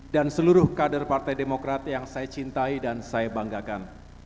dan seluruh kader partai demokrat yang saya cintai dan saya banggakan